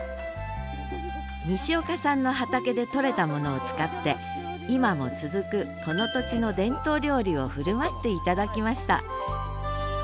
西岡さんの畑で採れたものを使って今も続くこの土地の伝統料理を振る舞って頂きました